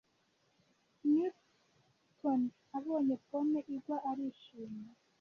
newton abonye pome igwa arishima